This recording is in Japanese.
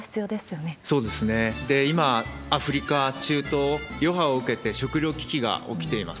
今、アフリカ、中東、余波を受けて食料危機が起きています。